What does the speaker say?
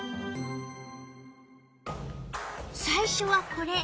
最初はこれ。